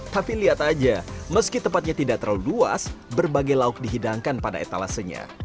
tapi lihat aja meski tempatnya tidak terlalu luas berbagai lauk dihidangkan pada etalasenya